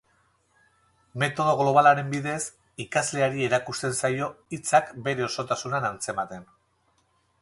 Metodo globalaren bidez ikasleari erakusten zaio hitzak bere osotasunean antzematen.